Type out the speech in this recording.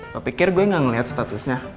kau pikir gue gak ngeliat statusnya